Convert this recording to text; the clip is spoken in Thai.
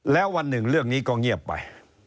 แล้ววันหนึ่งเรื่องนี้ก็เงียบไป